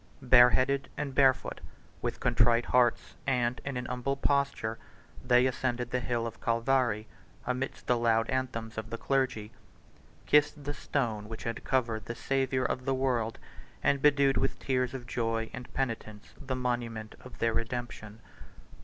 Bareheaded and barefoot, with contrite hearts, and in an humble posture, they ascended the hill of Calvary, amidst the loud anthems of the clergy; kissed the stone which had covered the Savior of the world; and bedewed with tears of joy and penitence the monument of their redemption.